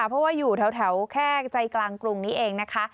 เพราะว่าอยู่แถวแค่ใจกลางกรุงนี้เองนะคะ